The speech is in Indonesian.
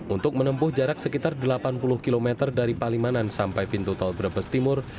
untuk menempuh jarak sekitar delapan puluh km dari palimanan sampai pintu tol brebes timur